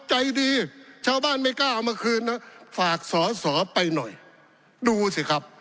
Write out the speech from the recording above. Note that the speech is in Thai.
ใจดีชาวบ้านไม่กล้าเอามาคืนนะฝากสอสอไปหน่อยดูสิครับ